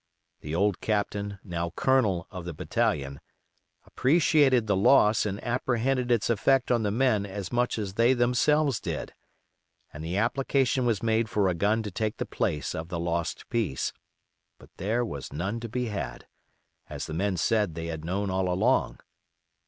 The old Captain, now Colonel of the battalion, appreciated the loss and apprehended its effect on the men as much as they themselves did, and application was made for a gun to take the place of the lost piece; but there was none to be had, as the men said they had known all along.